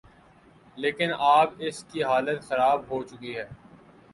لیکن اب اس کی حالت خراب ہو چکی ہے۔